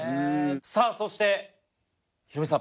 さぁそしてヒロミさん。